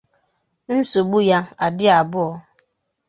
nsogbu ya adị abụọ